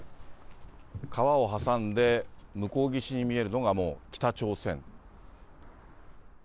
川を挟んで、向こう岸に見えるのがもう北朝鮮。